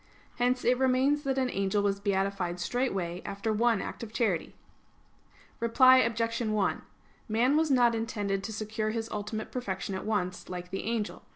Hence it remains that an angel was beatified straightway after one act of charity. Reply Obj. 1: Man was not intended to secure his ultimate perfection at once, like the angel.